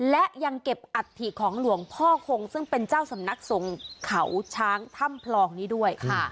และยังเก็บอัฐิของหลวงพ่อคงซึ่งเป็นเจ้าสำนักทรงเขาช้างถ้ำพลองนี้ด้วย